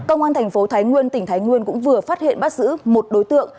công an tp thái nguyên tỉnh thái nguyên cũng vừa phát hiện bắt giữ một đối tượng